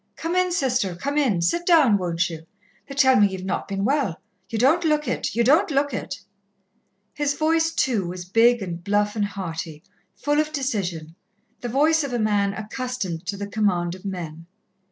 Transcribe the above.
"Come in, Sister, come in. Sit down, won't you? They tell me ye've not been well ye don't look it, ye don't look it!" His voice, too, was big and bluff and hearty, full of decision, the voice of a man accustomed to the command of men.